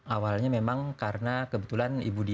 awalnya memang karena kebetulan ibu di